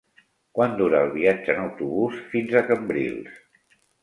Quant dura el viatge en autobús fins a Cambrils?